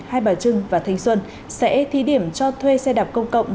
hai bà trưng và thanh xuân sẽ thí điểm cho thuê xe đạp công cộng